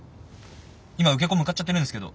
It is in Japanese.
今受け子向かっちゃってるんですけど。